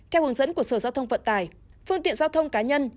theo hướng dẫn của sở giao thông vận tải phương tiện giao thông cá nhân